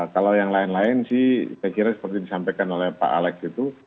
kalau yang lain lain sih saya kira seperti disampaikan oleh pak alex itu